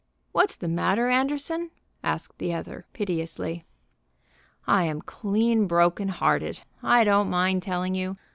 "What's the matter, Anderson?" asked the other piteously. "I am clean broken hearted. I don't mind telling you.